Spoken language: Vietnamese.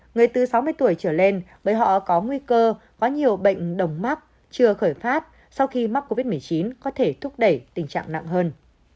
người từ sáu mươi tuổi trở lên bởi họ có nguy cơ có nhiều bệnh đồng mắc chưa khởi phát sau khi mắc covid một mươi chín có thể thúc đẩy tình trạng nặng hơn